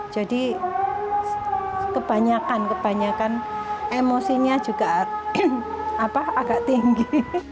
jadi kebanyakan kebanyakan emosinya juga agak tinggi